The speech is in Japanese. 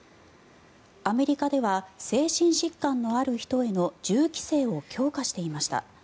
アメリカでは精神疾患のある人への銃規制を強化していました。